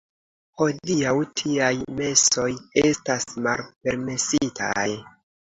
Hodiaŭ tiaj mesoj estas malpermesitaj.